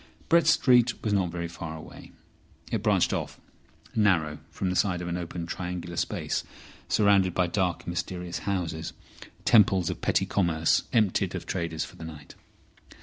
Brett Street was not very far away. It branched off, narrow, from the side of an open triangular space surrounded by dark and mysterious houses, temples of petty commerce emptied of traders for the night.